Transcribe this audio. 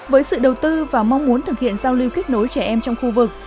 với sự đầu tư và mong muốn thực hiện giao lưu kết nối trẻ em trong khu vực